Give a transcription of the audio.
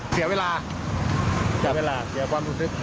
เสียเวลาเสียเวลาเสียความรู้สึก